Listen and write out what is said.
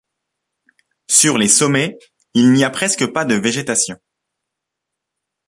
Sur les sommets il n'y a presque pas de végétation.